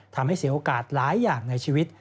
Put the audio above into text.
ทำให้เสียโอกาสหลายอย่างในชีวิต